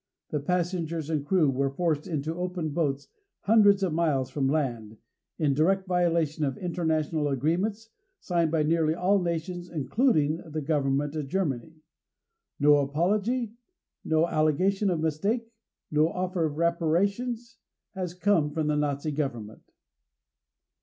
The passengers and the crew were forced into open boats hundreds of miles from land, in direct violation of international agreements signed by nearly all nations including the government of Germany. No apology, no allegation of mistake, no offer of reparations has come from the Nazi government.